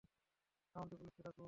County পুলিশকে ডাকুন।